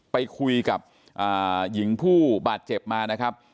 ไปคุยกับหญิงผู้บาดเจ็บมานะครับ